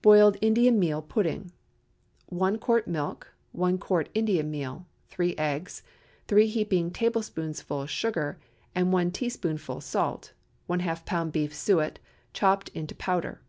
BOILED INDIAN MEAL PUDDING. 1 quart milk. 1 quart Indian meal. 3 eggs. 3 heaping tablespoonfuls sugar, and 1 teaspoonful salt. ½ lb. beef suet, chopped into powder.